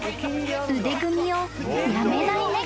［腕組みをやめない猫］